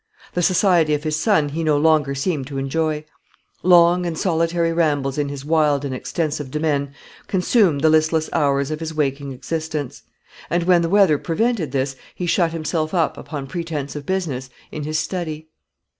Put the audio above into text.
The society of his son he no longer seemed to enjoy. Long and solitary rambles in his wild and extensive demesne consumed the listless hours or his waking existence; and when the weather prevented this, he shut himself up, upon pretence of business, in his study.